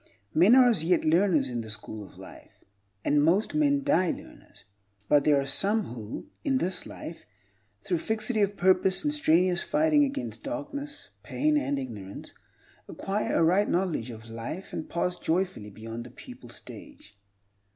Men are as yet learners in the school of life, and most men die learners. But there are some who, in this life, through fixity of purpose and strenuous fighting against darkness, pain, and ignorance, acquire a right knowledge of life and pass joyfully beyond the pupil stage.